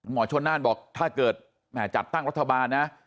ชนน่านบอกถ้าเกิดแหมจัดตั้งรัฐบาลนะ